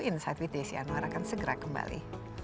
insight with desi anwar akan segera kembali